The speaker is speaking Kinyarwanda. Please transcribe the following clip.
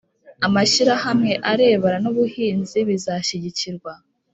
amashyirahamwe arebana n'ubuhinzi bizashyigikirwa.